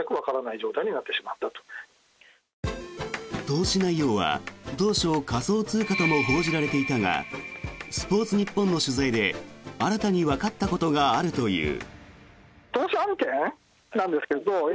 投資内容は当初仮想通貨とも報じられていたがスポーツニッポンの取材で新たにわかったことがあるという。